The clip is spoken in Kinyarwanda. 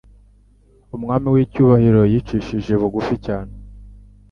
Umwami w'icyubahiro yicishije bugufi cyane